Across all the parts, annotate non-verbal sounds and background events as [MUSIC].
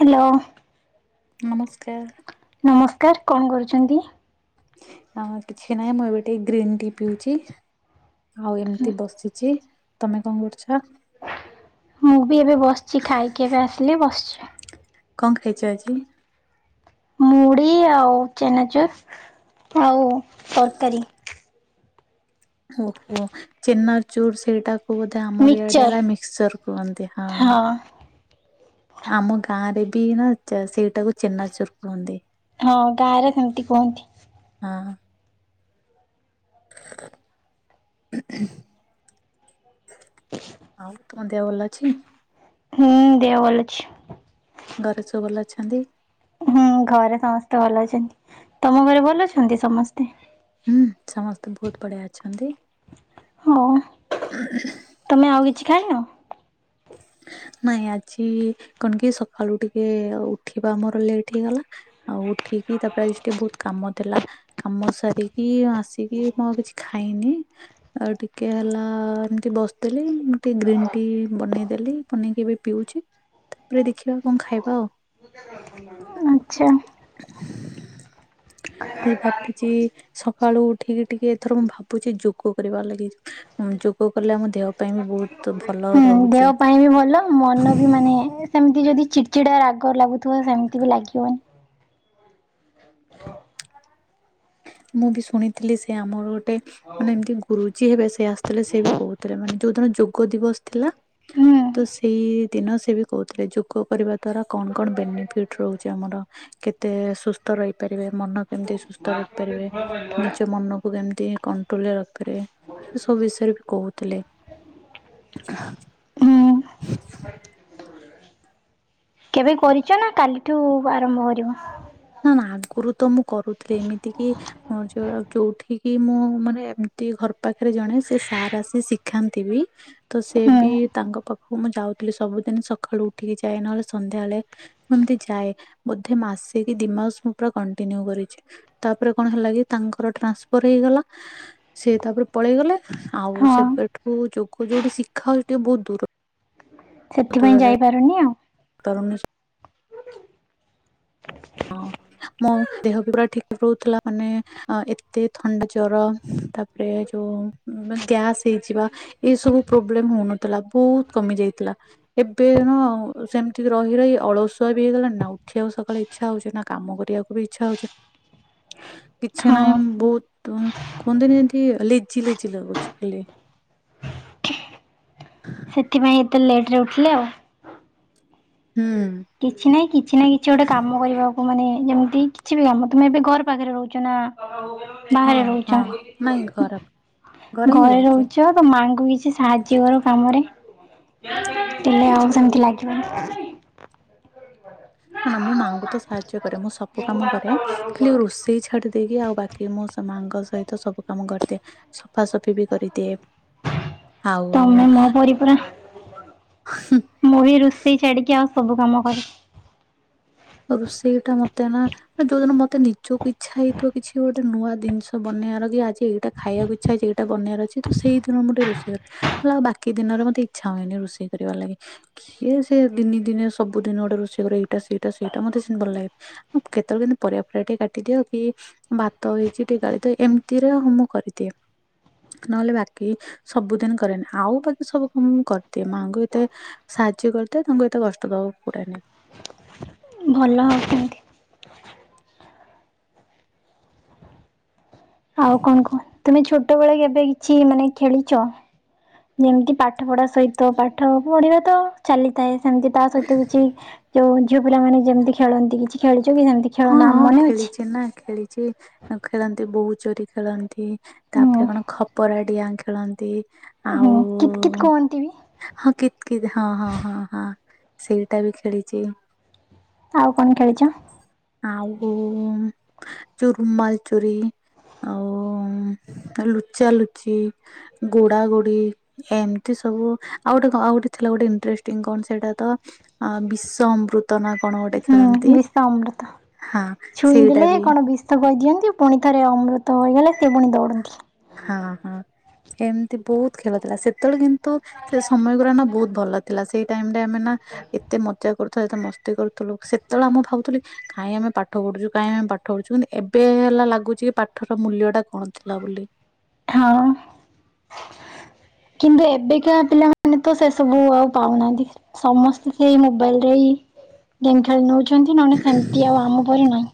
Hello! ନମସ୍କାର! ନମସ୍କାର କଣ କରୁଛନ୍ତି? ଆମର କିଛି ନାହିଁ ମୁଁ ଏବେ ଟିକେ ଗ୍ରୀନ୍ ଟି ପିଉଛି। ଆଉ ଏମିତି ବସିଛି ତମେ କଣ କରୁଛ? ମୁଁ ବି ଏବେ ବସିଛି ଖାଇକି ଏବେ ଆସିଲି ବସିଛି। କଣ ଖାଇଛ ଆଜି? ମୁଢି ଆଉ ଚେନାଚୁର ଆଉ ତରକାରୀ। ଓହୋ ଚେନାଚୁର ସେଇଟା ବୋଧେ ଆମର ଇଆଡେ ମିକ୍ସଚର ହେଲା ମିକ୍ସଚର କୁହନ୍ତି ହଁ। ଆମ ଗାଁ ରେ ବି ନା ସେଇଟାକୁ ଚେନାଚୁର କୁହନ୍ତି। ହଁ ଗାଁରେ ସେମିତି କୁହନ୍ତି। ହଁ। [UNINTELLIGIBLE] ତୁମ ଦେହ ଭଲ ଅଛି? ହୁଁ ଦେହ ଭଲ ଅଛି। ଘରେ ସବୁ ଭଲ ଅଛନ୍ତି। ହୁଁ ଘରେ ସମସ୍ତେ ଭଲ ଅଛନ୍ତି ତମ ଘରେ ଭଲ ଅଛନ୍ତି ସମସ୍ତେ? ହୁଁ ସମସ୍ତେ ବହୁତ ବଢିଆ ଅଛନ୍ତି। ହଉ ତମେ ଆଉ କିଛି ଖାଇନ। ନାଇଁ ଆଜି କଣ କି ସକାଳୁ ଟିକେ ଉଠିବା ଆମର ଲେଟ୍ ହେଇଗଲା ଆଉ ଉଠିକି ତାପରେ ଆଜି ଟିକେ ବହୁତ କାମ ଥିଲା। କାମ ସାରିକି ଆସିକି ମୁଁ ଆଉ କିଛି ଖାଇନି। ଆଉ ଟିକେ ହେଲା ଏମିତି ବସିଥିଲି ମୁଁ ଟିକେ ଗ୍ରୀନ୍ ଟି ବନେଇ ଦେଲି ବନେଇକି ଏବେ ପିଉଛି ତାପରେ ଦେଖିବା କଣ ଖାଇବା। ଅଁ ଆଚ୍ଛା। ଏ ଭାବିଛି ସକାଳୁ ଉଠିକି ଟିକେ ଏଥର ମୁଁ ଭାବୁଛି ଯୋଗ କରିବାର ଲାଗି। ଉଁ ଯୋଗ କଲେ ଆମ ଦେହ ପାଇଁ ବି ବହୁତ ଭଲ ହୁଁ ଦେହ ରହୁଛି। ପାଇଁ ବି ଭଲ ମନ ବି ମାନେ ସେମିତି ଯଦି ଚିଡ଼ଚିଡ଼ା ରାଗ ଲାଗୁଥିବ ସେମିତି ବି ଲାଗିବ ମୁଁ ବି ଶୁଣିଥିଲି ସେ ଆମର ଗୋଟେ। ମାନେ ଏମିତି ଗୁରୁଜୀ ହେବେ ସେ ଆସିଥିଲେ ସେ ବି କହୁଥିଲେ ମାନେ ଯୋଉଦିନ ଯୋଗ ଦିବସ ଥିଲା। ହୁଁ ତ ସେଇ ଦିନ ସେ ବି କହୁଥିଲେ ଯୋଗ କରିବା ଦ୍ଵାରା କଣ କଣ ବେନିଫିଟ ରହୁଛି ଆମର। କେତେ ସୁସ୍ଥ ରହିପାରିବେ ମନକୁ କେମିତି ସୁସ୍ଥ ରଖୀପାରିବେ ନିଜ ମନ କୁ କେମିତି କଣ୍ଟ୍ରୋଲରେ ରଖିପାରିବେ ସେ ସବୁ ବିଷୟରେ ବି କହୁଥିଲେ। ହ [UNINTELLIGIBLE] ହୁଁ କେବେ କରିଛ ନା କାଲିଠୁ ଆରମ୍ଭ କରିବ? ନା ନା ଆଗରୁ ତ ମୁଁ କରୁଥିଲି ଏମିତି କି ମୁଁ ଯଉ ଯୋଉଠି କିି ମୁଁ ମାନେ ଏମିତି ଘର ପାଖରେ ଜଣେ ସେ ସାର୍ ଆସି ଶିଖାନ୍ତି ବି। ତ ସେ ହୁଁ ବି ତାଙ୍କ ପାଖକୁ ମୁଁ ଯାଉଥିଲି ସବୁଦିନ ସକାଳୁ ଉଠିକି ଯାଏ ନହେଲେ ସନ୍ଧ୍ୟାବେଳେ। ମୁଁ ଏମିତି ଯାଏ ବୋଧେ ମାସ ଏ କି ଦି ମାସ ମୁଁ ପୁରା କଣ୍ଟିନିଉ କରିଛି ତାପରେ କଣ ହେଲା କି ତାଙ୍କର ଟ୍ରାନ୍ସଫର ହେଇଗଲା। ସେ ତାପରେ ପଳେଇଗଲେ ଆଉ ହଁ ସେବେଠୁ ଯୋଗ ଯୋଉଠି ଶିଖା ହଉଛି ଟିକେ ବହୁତ ଦୂର। ସେଥିପାଇଁ ଦୂରରେ ଯାଇପାରୁନି ଆଉ। [UNINTELLIGIBLE] ହ [UNINTELLIGIBLE] ମୋ ଦେହ ବି ପୁରା ଠିକ ରହୁଥିଲା ମାନେ। ଅ ଏତେ ଥଣ୍ଡା ଜର ତାପରେ ଯୋଉ ଉଁ ଗ୍ୟାସ୍ ହେଇଯିବା। ଏ ସବୁ ପ୍ରୋବ୍ଲେମ ହଉନଥିଲା ବହୁତ କମି ଯାଇଥିଲା। ଏବେ ହଁ ସେମିତି ରହି ରହି ଅଳସୁଆ ବି ହେଇଗଲାଣି ନା ଉଠିବାକୁ ସକାଳେ ଇଚ୍ଛା ହଉଛି ନା କାମ କରିବାକୁ ବି ଇଚ୍ଛା ହଉଛି। କିଛି ହଁ। ନାହିଁ ବହୁତୁ କୁହନ୍ତିନି ଯେମିତି ଲେଜି ଲେଜି ଲାଗୁଛି ଖାଲି। ସେଥିପାଇଁ ଏତେ ଲେଟ ରେ ଉଠିଲେ ଆଉ। ହୁଁ। କିଛି ନାହିଁ କିଛି ନା କିଛି ଗୋଟେ କାମ କରିବାକୁ ମାନେ ଯେମିତି। କିଛି ବି କାମ ତୁମେ ଏବେ ଘର ପାଖରେ ରହୁଛ ନା। ହଁ ବାହାରେ ରହୁଛ। ହଁ ନାଇଁ ଖରାପ ହିଁ ଘରେ ରହୁଛି ରହୁଛ। ମାଙ୍କୁ କିଛି ସାହାଯ୍ୟ କର କାମରେ ହେଲେ ଆଉ ସେମିତି ଲାଗିବନି। ନା ନା ମୁଁ ମାଆଙ୍କୁ ତ ସାହାଯ୍ୟ କରେ। ମୁଁ ସବୁ କାମ କରେ। ଖାଲି ରୋଷେଇ ଛାଡି ଦେଇକି ଆଉ ବାକି ମୁଁ ସା ମାଆଙ୍କ ସହିତ ସବୁ କାମ କରିଦିଏ। ସଫାସଫି ବି କରିଦିଏ। ଆଉ ତମେ ମୋ ପରି ପୁରା ହୁଁ। ମୁଁ ବି ରୋଷେଇ ଛାଡ଼ିକି ଆଉ ସବୁ କାମ କରେ। ଅ ରୋଷେଇଟା ମତେ ନା ଏ ଯୋଉଦିନ ମତେ ନିଜକୁ ଇଚ୍ଛା ହେଇଥିବ କିଛି ଗୋ ଟେ ନୂଆ ଜିନଷ ବନେଇବାର କି ଆଜି ଏଇଟା ଖାଇବାକୁ ଇଚ୍ଛା ହେଇଚି ଏଇଟା ବନେଇବାର ଅଛି ତ ସେଇଦିନ ମୁଁ ଟିକେ ରୋଷେଇ କରେ। [UNINTELLIGIBLE] ଆଉ ବାକି ଦିନରେ ମତେ ଇଚ୍ଛା ହୁଏନି ରୋଷେଇ କରିବାର ଲାଗି। କିଏ ସିଏ ଦିନି ଦିନି ସବୁ ଦିନ ଗୋଟେ ରୋଷେଇ କରିବ ଏଇଟା ସେଇଟା ସେଇଟା ମତେ ସେମ ଭଲ ଲାଗେ। କେତେବେଳେ କେମତି ପରିବା ପରିବା ଟିକେ କାଟିଦିଅ କି ଭାତ ହେଇଛି ଟିକେ ଗାଳି ଦେ, ଏମିତିରେ ମୁଁ କରିଦିଏ। ନହେଲେ ବାକି ସବୁଦିନ କରେନି, ଆଉ ବାକି ସବୁ କାମ ମୁଁ କରିଦିଏ। ମାଆଙ୍କୁ ଏତେ ସାହାଯ୍ୟ କରିଥାଏ, ତାଙ୍କୁ ଏତେ କଷ୍ଟ ଦବାକୁ ପୁରେନି। ଭଲ [INAUDIBLE] ଆଉ କଣ କୁହ? ତୁମେ ଛୋଟ ବେଳେ କେବେ କିଛି ମାନେ ଖେଳିଛ? ଯେମିତି ପାଠ ପଢା ସହିତ? ପାଠ ପଢିବା ତ ଚାଲିଥାଏ, ସେମିତି ତା ସହିତ କିଛି ଯୋଉ ଝିଅ ପିଲାମାନେ ଯେମିତି ଖେଳନ୍ତି, କିଛି ଖେଳଛ କି ସେମିତି? ଖେଳ ହଁ ନାଁ ହଁ ମନେ ଅଛି? ଖେଳିଛି ନା ଖେଳିଛି, ଖେଳନ୍ତି ବୋହୁ ଚୋରି ଖେଳନ୍ତି। ହୁଁ ତାପରେ କଣ ଖପରା ଡିଆ ଖେଳନ୍ତି। ହୁଁ ଆଉ କିତ କିତ କୁହନ୍ତି ବି। ହଁ କିତ୍ କିତ୍ ଅହଁ ହଁ ହଁ ସେଇଟା ବି ଖେଳିଛି। ଆଉ କଣ ଖେଳିଛ? ଆଉ ଚୁରୁମାଲ ଚୁରି। ଆଉ ଲୁଚା ଲୁଚି, ଗୋଡା ଗୋଡି। ଏମିତି ସବୁ, ଆଉ ଗୋଟେ ଆଉ ଗୋଟେ ଥିଲା ଗୋଟେ ଇଣ୍ଟେଷ୍ଟି କଣ ସେଇଟା ତ ଅ ବିଶ୍ୱ ଅମୃତ ନଥ ହୁଁ ବିଷ ଅମୃତ। ହଁ ସେଇଟା ଛୁଇଁଦେଲେ କଣ ବି କହିଦିଅନ୍ତି ପୁଣି ଥରେ ଅମୃତ ହୋଇଗଲେ ସେ ପୁଣି ଦୌଡ଼ନ୍ତି। ହଁ ହଁ। ଏମିତି ବହୁତ ଖେଳ ଥିଲା, ସେତେବେଳେ କିନ୍ତୁ ସେ ସମୟ ଗୁରାନା ବହୁତ ଭଲ ଥିଲା। ସେ ଟାଇମ ରେ ଆମେ ନା ଏତେ ମଜା କରୁଥିଲୁ, ଏତେ ମସ୍ତି କରୁଥିଲୁ, ସେତେବେଳେ ଆ ମୁଁ ଭାବୁଥିଲୁ କାଇଁ ଆମେ ପାଠ ପଢୁଛୁ, କାଇହିଁ ଆମେ ପାଠ ପଢୁଛୁ, କିନ୍ତୁ ଏବେ ହେଲା ଲାଗୁଛି କି ପାଠର ମୂଲ୍ୟ ଟା କଣ ଥିଲା ବୋଲି। ହଁ। କିନ୍ତୁ ଏବେକା ପିଲାମାନେ ତ ସେ ସବୁ ଆଉ ପାଉନାହାନ୍ତି। ସମସ୍ତେ ସେଇ ମୋବାଇଲରେ ଗେମ୍ ଖେଳି ନଉଛନ୍ତି ନହେଲେ ସେମତି ଆଉ ଆମ ପରି ନାହିଁ।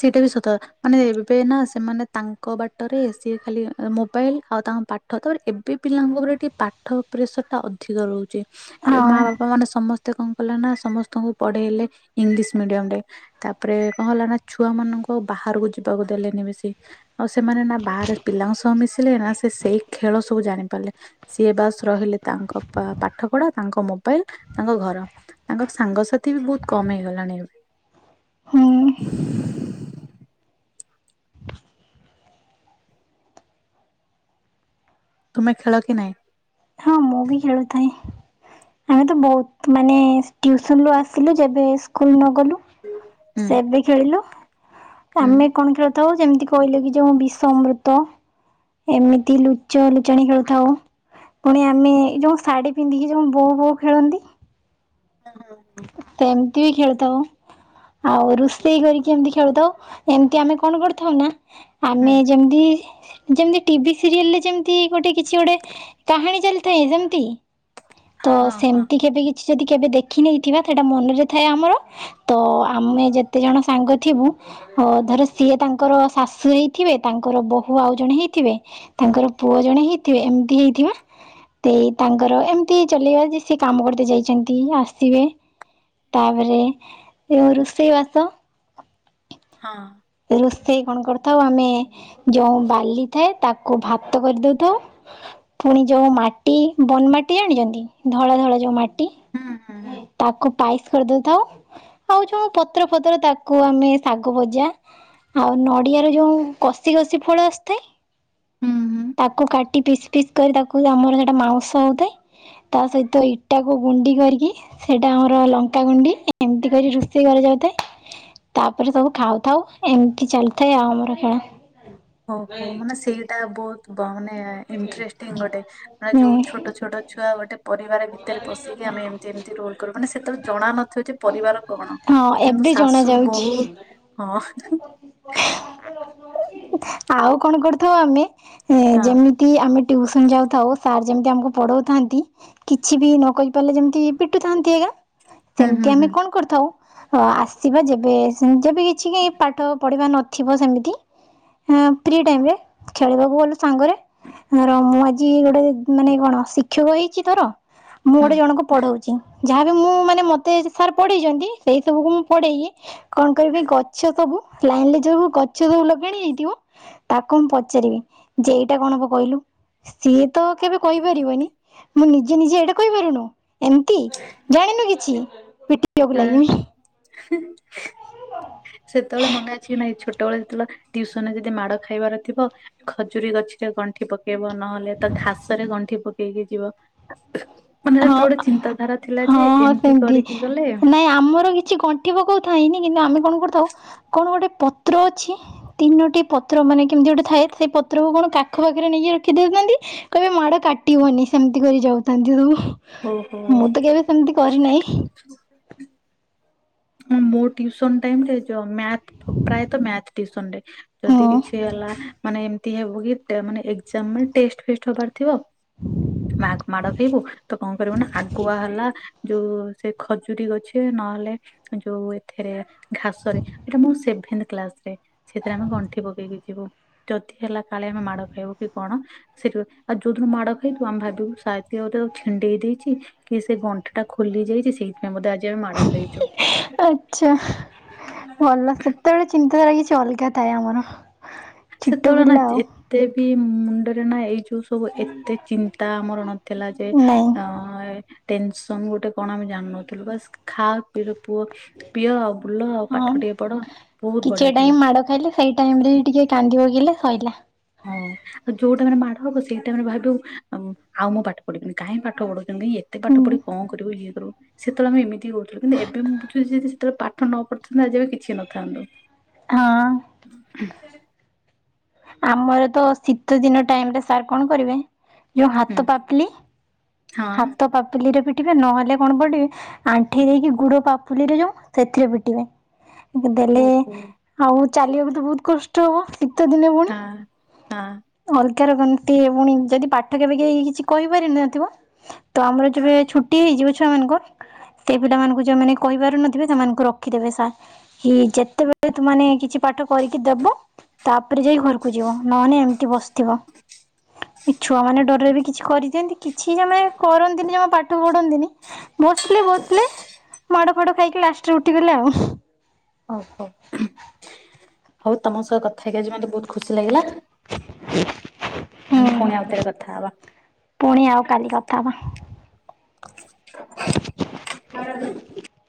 ସେଇଟା ବି ସତକଥା। ମାନେ ଏବେ ନା ସେମାନେ ତାଙ୍କ ବାଟରେ, ସିଏ ଖାଲି ମୋବାଇଲ ଆଉ ତାଙ୍କ ପାଟ ପାଠ ତାପରେ ଏବେ ପିଲାଙ୍କ ଉପରେ ଟିକେ ପାଠ ପ୍ରେସର ଟା ଅଧିକ ରହୁଛି, ଏବେ ହଁ ମା ବାପା ବାପା ମାନେ ସମସ୍ତେ କଣ କଲେ ନା, ସମସ୍ତଙ୍କୁ ପଢେଇଲେ ଇଂଲିଶ ମିଡିୟମ ରେ ତାପରେ କଣ ହେଲା ନା ଛୁଆ ମାନଙ୍କୁ ବାହାରକୁ ଯିବାକୁ ଦେଲେନି ବେଶୀ। ଆଉ ସେମାନେ ନା ବାହାରେ ପିଲାଙ୍କ ସହ ମିଶିଲେ ନା ସେ ସେଇ ଖେଳ ସବୁ ଜାଣିପାରିଲେ। ସିଏ ବାସ ରହିଲେ ତାଙ୍କ ପାଠ ପଢା, ତାଙ୍କ ମୋବାଇଲ, ତାଙ୍କ ଘର। ତାଙ୍କ ସାଙ୍ଗସାଥି ବି ବହୁତ କମ ହେଇଗଲାଣି ଏ ହୁଁ [INAUDIBLE] ତୁମେ ଖେଳ କି ନାଇଁ? ହଁ ମୁଁ ବି ଖେଳୁଥାଏ। ଆମେ ତ ବହୁତ ମାନେ ତିୟୁସନ ଆସିଲେ ଯେବେ ସ୍କୁଲ ନ ଗଲୁ ହୁଁ ସେବେ ଖେଳିଲୁ ହୁଁ। ଆମେ କଣ ଖେଳୁଥାଉ ଯେମିତି କହିଲେ କି ଯଉ ବିଶ ଅମୃତ। ଏମିତି ଲୁଚ ଲୁଚାଣି ଖେଳୁଥାଉ ପୁଣି ଆମେ ଏଇ ଯୋଉ ଶାଢ଼ୀ ପିନ୍ଧିକି ଯୋଉ ବୋଉ ବୋଉ ଖେଳନ୍ତି। ହଁ ହଁଁ। ସେମିତି ବି ଖେଳୁଥାଉ। ଆଉ ରୋଷେଇ କରିକି ଏମତି ଖେଳୁଥାଉ। ଏମିତି ଆମେ କଣ କରିଥାଉ ନା ହୁଁ ଆମେ ଯେମିତି ଯେମତି ଟିଭି ସିରିଏଲ ରେ ଯେମିତି ଗୋଟେ କିଛି ଗୋଟେ କାହାଣୀ ଚାଲିଥାଏ ଯେମିତି ତ ହଁ ହଁ ହଁ ସେମିତି କେବେ କିଛି ଯଦି କେବେ ଦେଖିନେଇଥିବା ସେଇଟା ମନରେ ଥାଏ ଆମର। ତ ଆମେ ଯେତେ ଜଣ ସାଙ୍ଗ ଥିବୁ ଧର ସିଏ ତାଙ୍କର ଶାଶୁ ହେଇଥିବେ ତାଙ୍କର ବୋହୂ ଆଉ ଜଣେ ହେଇଥିବେ। ତାଙ୍କର ପୁଅ ଜଣେ ହେଇଥିବେ ଏମିତି ହେଇଥିବେ। ସେଇ ତାଙ୍କର ଏମିତି ଚଲେଇବା ଯେ ସେ କାମ କରତେ ଯାଇଛନ୍ତି ଆ ସିଏ ତାପରେ ରୋଷେଇ ବାସ ହଁ। ରୋଷେଇ କଣ କରିଥାଉ ଆମେ ଯୋଉ ବାଲି ଥାଏ ତାକୁ ଭାତ କରିଦଉଥାଉ। ପୁଣି ଯୋଉ ମାଟି ବନ ମାଟି ଜାଣିଛନ୍ତି ଧଳା ଧଳା ଯୋଉ ମାଟି ହୁଁ ହୁଁ ତାକୁ ପାଇସ୍ କରିଦଉଥାଉ ଆଉ ଯୋଉ ପତ୍ର ଫତ୍ର ତାକୁ ଆମେ ଶାଗ ଭଜା ଆଉ ନଡିଆ ରେ ଯୋଉ କଷି କଷି ଫଳ ଆସିଥାଏ ହୁଁ ହୁଁ ହୁଁ। ତାକୁ କାଟି ଟିକି ପିସ୍ ପିସ୍ କରି ତାକୁ ଆମର ସେଇଟା ମାଉଁସ ହୋଇଥାଏ ତା ସହିତ ଇଟାକୁ ଗୁଣ୍ଡି କରିକି ସେଇଟା ଆମର ଲଙ୍କାଗୁଣ୍ଡି ଏମିତି କରି ରୋଷେଇ କରାଯାଉଥାଏ। ତାପରେ ସବୁ ଖାଉଥାଉ ଏମିତି ଚାଲିଥାଏ ଆଉ ଆମର ଖେଳ। ଓହୋ ମାନେ ସେଇଟା ବହୁତ ମାନେ ଇଣ୍ଟରେଷ୍ଟିଙ୍ଗ ଗୋଟେ ମାନେ ଯୋଉ ହୁଁ। ଛୋଟ ଛୋଟ ଛୁଆ ଗୋଟେ ପରିବାର ଭିତରେ ପଶିକି ଆମେ ଏମିତି ଏମିତି ରୋଲ୍ କରୁ ମାନେ ସେତେ ବେଳେ ଜଣା ନଥିବ ଯେ ପରିବାର କଣ ହଁ କିନ୍ତୁ ଏବେ ଜଣା ଶାଶୁ ଯାଉଛି ବୋହୂ ହଁ [INAUDIBLE] [INAUDIBLE] ଆଉ କଣ କରିଥାଉ ଆମେ ଯେମିତି ହଁ ଯେମିତି ଆମେ ଟ୍ୟୁସନ ଯାଉଥାଉ ସାର୍ ଯେମିତି ଆମକୁ ପଢାଉଥାନ୍ତି କିଛି ବି ନ କହି ପାରିଲେ ଯେମିତି ପିଟୁ ଥାନ୍ତି ଆଜ୍ଞା ହୁଁ ହୁଁ ସେମିତି ହୁଁ ଆମେ କଣ କରିଥାଉ ଅ ଆସିବା ଯେବେ ସେ ଯେ ବି କିଛି କାଇଁ ପାଠ ପଢ଼ିବା ନଥିବ ସେମିତି ହଁ ଫ୍ରି ଟାଇମ ରେ ଖେଳିବାକୁ ଗଲୁ ସାଙ୍ଗରେ ଧର ମୁଁ ଆଜି ଗୋଟେ ମାନେ କଣ ଶିକ୍ଷକ ହେଇଛି ଧର ମୁଁ ହୁଁ। ଗୋଟେ ଜଣଙ୍କୁ ପଢଉଛି। ଯାହାବି ମୁଁ ମାନେ ମତେ ସାର୍ ପଢେଇଛନ୍ତି ସେଇ ସବୁକୁ ମୁଁ ପଢେଇିଲି କଣ କରିବି ଗଛ ସବୁ ଲାଇନ ରେ ଯୋଉ ଗଛ ସବୁ ଲଗାଣି ହୋଇଥିବ ତାକୁ ମୁଁ ପଚାରିବି ଯେ ଏଇଟା କଣ ହବ କହିଲୁ? ସିଏ ତ କେବେ କହିପାରିବନି ମୁଁ ନିଜେ ନିଜେ ଏଇଟା କହିପାରିବୁନୁ ଏମତି ଜାଣିନୁ କିଛି ପିଟିବାକୁ ହଁ ଲାଗିବି। ସେତେବେଳେ ମନେ ଅଛି ନା ଏଇ ଛୋଟବେେଳେ ଯେତେବେଳେ ଟ୍ୟୁସନରେ ଯଦି ମାଡ ଖାଇବାର ଥିବ ଖଜୁରୀ ଗଛରେ ଗଣ୍ଠି ପକ ପକେଇବ ନହେଲେ ତ ଘାସ ରେ ଗଣ୍ଠି ପକେଇକି ଯିବ ମାନେ ହଁ ସେତେବେଳେ ଗୋଟେ ଚିନ୍ତାଧାରା ଥିଲା ହଁ ଯେ ହଁ ଏମିତି ସେମିତି କରିକି ଗଲେ ନାଇଁ ଆମର କିଛି ଗଣ୍ଠି ପକଉଥାଏନି କିନ୍ତୁ ଆମେ କଣ କରିଥାଉ କଣ ଗୋଟେ ପତ୍ର ଅଛି ତିନୋଟି ପତ୍ର ମାନେ କେମିତି ଗୋଟେ ଥାଏ ସେ ପତ୍ରକୁ କଣ ପାଖ ପାଖରେ ନେଇକି ରଖିଦଉଥାନ୍ତି କହିବେ ମାଡ କାଟିବନି ସେମିତି କରି ଯାଉଥାନ୍ତି ସବୁ। ଓହୋ ମୁଁ ତ କେବେ ସେମିତି କରିନାହିଁ। ମୋ ଟ୍ୟୁସନ ଟାଇମରେ ମ୍ୟାଥ୍ ପ୍ରାୟତଃ ମ୍ୟାଥ୍ ଟିଉସନ ରେ ଯଦି ହଁ କିଛି ହେଲା ମାନେ ଏ ହେବ କି ମାନେ ଏକ୍ଜାମ ରେ ଟେଷ୍ଟ ଫେଷ୍ଟ ହେବାର ଥିବ ମା କୁ ମାଡ ଖେଇବୁ ତ କଣ କରିବୁ ନା ଆଗୁଆ ହେଲା ଯୋଉ ସେ ଖଜୁରୀ ଗଛେ ନହେଲେ ଯୋଉ ଏଥିରେ ଘାସରେ ଏଟା ମୁ ସେଭେନ କ୍ଲାସ ରେ ସେଥିରେ ଆମେ ଗଣ୍ଠି ପକେଇ ଦେଇଥିବୁ ଯିବୁ ଯଦି ହେଲା କାଳେ ଆମେ ମାଡ଼ ଖାଇବୁ କି କଣ ସେଠ ଆଉ ଯୋଉଦିନ ମାଡ ଖାଇଥିବୁ ଆମେ ଭାବିବୁ ସାୟାଦ କିଏ ଗୋଟେ ଛିଣ୍ଡେଇ ଦେଇଛି କି ସେ ଗଣ୍ଠି ଟା ଖୋଲି ଯାଇଛି ସେଇଥିପାଇଁ ଆଜି ଆମେ ମାଡ଼ ଖାଇଛୁ ଆଛା ଭଲ ସେତେବେଳେ ଚିନ୍ତାଧାରା କିଛି ଅଲଗା ଥାଏ ଆମର ଛୋଟ ସେତେବେଳେ ନା ପିଲା ଆଉ ଏତେ ବି ମୁଣ୍ଡରେ ନା ଏଇ ଯୋଉ ସବୁ ଏତେ ଚିନ୍ତା ଆମର ନଥିଲା ଯେ ନାଇଁ ଅ ଟେନସନ ଗୋଟେ କଣ ଆମେ ଜାଣିନଥିଲୁ ବାସ ଖା ପିଇ ପୁଅ ପିଅ ଆଉ ବୁଲ ଆଉ ହଁ ପାଠ ଟିକେ ପଢ ବହୁତ କିଛି ବଢିଆ ଟାଇମ ଥିଲା ମାଡ ଖାଇଲେ ସେଇ ଟାଇମ ରେ ଟିକେ କାନ୍ଦିିବକିଲେ ଶୋଇଲା ହଁ ଆଉ ଯୋଉ ଟାଇମରେ ମାଡ ହବ ସେଇ ଟାଇମରେ ଭାବୁ ଆଉ ମୁଁ ପାଠ ପଢିବିନି କାହିଁ ପାଠ ପଢୁଛିି ଏମିତି ଏତେ ହୁଁ ପାଠ ପଢି କଣ କରିବ ଇଏ କରିବୁ ସେତେବେଳେ ଆମେ ଏମତି ହଉଥିଲୁ ଏବେ ମୁଁ ବୁଝୁଛିି ଯଦି ସେତେବେଳେ ପାଠ ନ ପଢିଥାନ୍ତୁ ଆଜି ଆମେ କିଛି ନଥାନ୍ତୁ ହଁ [UNINTELLIGIBLE] ଆମର ତ ଶୀତ ଦିନ ଟାଇମରେ ସାର୍ କଣ କରିବେ ଯୋଉ ହୁଁ, ହାତ ପାପଲି ହଁ ହାତ ପାପ ପାପୁଲିରେ ପିଟିବେ ନହେଲେ କଣ ପଡିବେ ଆଣ୍ଠି ଦେଇକି ଗୁଡ ପାପୁଲିରେ ଯୋ ସେଥିରେ ପିଟିବେ ଦେଲେ ଓହୋ ଆଉ ଚାଲିବାକୁ ତ ବହୁତ କଷ୍ଟ ହବ ଶୀତ ଦିନେ ପୁଣି ହଁ ହଁ ଅଲଗା ର କନ୍ତି ପୁଣି ଯଦି ପାଠ କେବେ କେ କିଛି କହିପାରିନ ନଥିବ ତ ଆମର ଯେବେ ଛୁଟି ହେଇଯିବ ଛୁଆ ମାନଙ୍କର ସେ ପିଲାମାନଙ୍କୁ ଯଉମାନେ କହିପାରୁ ନଥିବେ ସେମାନଙ୍କୁ ରଖିଦେବେ ସାର୍ ହ ଯେତେବେଳେ ତୁ ମେ କିଛି ପାଠ କରିକି ଦବ ତାପରେ ଯାଇ ଘରକୁ ଯିବ ନହେଲେ ଏମିତି ବସିଥିବ ଏ ଛୁଆ ମାନେ ଡରରେ ବି କିଛି କରିଦିଅନ୍ତି କିଛି ଜମା କରନ୍ତିନି ଜମା ପାଠ ପଢ଼ନ୍ତିନି ବସିଥିଲେ ବସିଲେ ମାଡ ଫାଡ ଖାଇକି ଲାଷ୍ଟରେ ଉଠିଗଲେ ଆଉ ହଉ ହଉ ହଉ ତମ ସହ କଥା ହେଇକି ଆଜି ମତେ ବହୁତ ଖୁସି ଲାଗିଲା ହ [UNINTELLIGIBLE] ଆମେ ପୁଣି ହୁଁ ଆଉଥରେ କଥା ହବା। ପୁଣି ଆଉ କାଲି କଥା ହେଵା ହ [UNINTELLIGIBLE]